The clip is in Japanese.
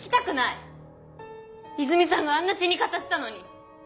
いずみさんがあんな死に方したのに。